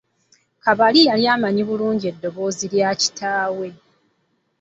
Kabali yali amanyi bulungi eddoboozi lya kitawe.